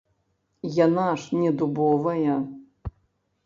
Яна ж не дубовая.